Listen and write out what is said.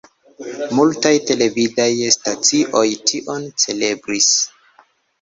Multaj televidaj stacioj tion celebris.